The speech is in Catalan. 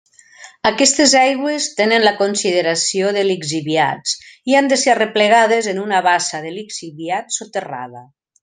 Aquestes aigües tenen la consideració de lixiviats i han de ser arreplegades en una bassa de lixiviats soterrada.